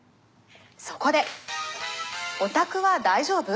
そこでおたくは大丈夫？